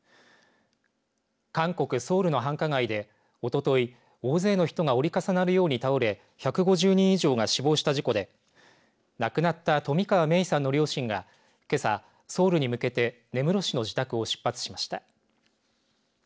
韓国ソウルの繁華街でおととい大勢の人が折り重なるように倒れ１５０人以上が死亡した事故で亡くなった冨川芽生さんの両親がけさ、ソウルに向けて根室市の自宅を出発しました。